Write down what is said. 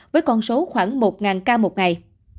với con số khoảng một ca một ngày